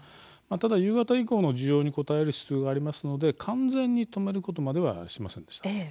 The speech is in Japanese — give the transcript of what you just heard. ただ夕方以降の需要に応える必要がありますので完全に止めることまではしませんでした。